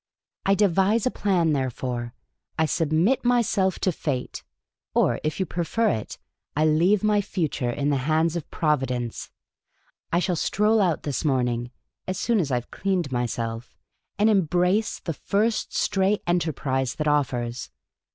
I devise a Plan, therefore. I submit myself to fate ; or, if you prefer it, I leave my future in the hands of Providence. I shall stroll out this morning, as soon as I 've ' cleaned myself,' and embrace the first stray enterprise that offers.